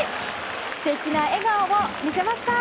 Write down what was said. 素敵な笑顔を見せました。